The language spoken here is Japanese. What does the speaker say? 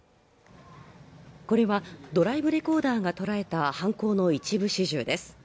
これはドライブレコーダーが捉えた犯行の一部始終です